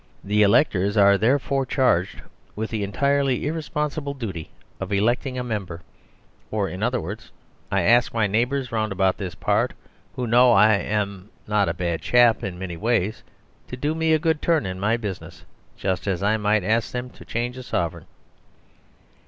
The electors are therefore charged with the entirely irresponsible duty of electing a Member; or, in other words, I ask my neighbours round about this part, who know I am not a bad chap in many ways, to do me a good turn in my business, just as I might ask them to change a sovereign.